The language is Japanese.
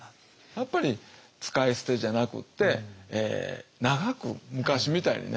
やっぱり使い捨てじゃなくて長く昔みたいにね